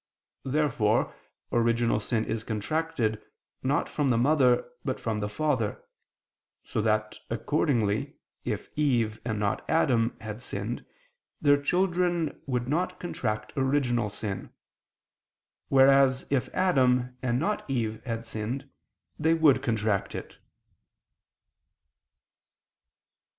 Therefore original sin is contracted, not from the mother, but from the father: so that, accordingly, if Eve, and not Adam, had sinned, their children would not contract original sin: whereas, if Adam, and not Eve, had sinned, they would contract it.